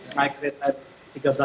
naik kereta tiga belas jam